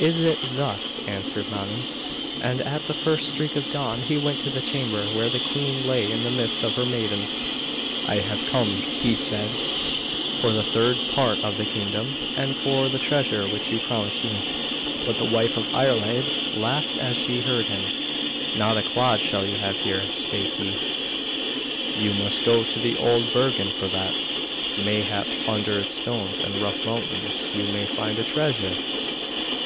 'Is it thus?' answered Manu. And at the first streak of dawn he went to the chamber where the queen lay in the midst of her maidens. 'I have come,' he said, 'for the third part of the kingdom, and for the treasure which you promised me.' But the wife of Iarlaid laughed as she heard him. 'Not a clod shall you have here,' spake she. 'You must go to the Old Bergen for that. Mayhap under its stones and rough mountains you may find a treasure!